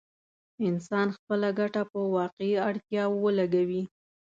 انسان خپله ګټه په واقعي اړتياوو ولګوي.